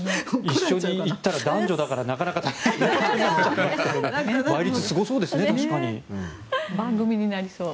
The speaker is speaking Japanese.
一緒に行ったら男女だからなかなか大変そう。